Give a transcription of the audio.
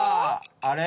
あれ？